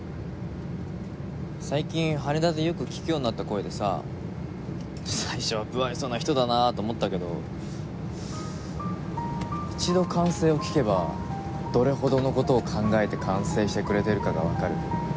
最近羽田でよく聞くようになった声でさ最初は無愛想な人だなあと思ったけど一度管制を聞けばどれほどの事を考えて管制してくれてるかがわかる。